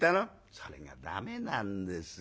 「それが駄目なんですよ。